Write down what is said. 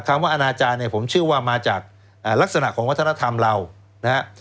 คำว่าอนาจารย์เนี่ยผมเชื่อว่ามาจากลักษณะของวัฒนธรรมเรานะฮะ